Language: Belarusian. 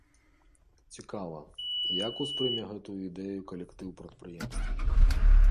Цікава, як успрыме гэтую ідэю калектыў прадпрыемства?